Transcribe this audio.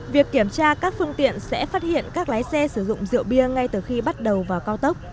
việc kiểm tra các phương tiện sẽ phát hiện các lái xe sử dụng rượu bia ngay từ khi bắt đầu vào cao tốc